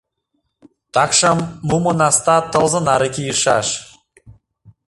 — Такшым мумо наста тылзе наре кийышаш.